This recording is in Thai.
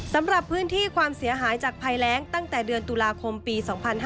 สำหรับพื้นที่ความเสียหายจากภัยแรงตั้งแต่เดือนตุลาคมปี๒๕๕๙